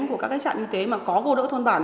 của các trạm y tế mà có cô đỡ thôn bản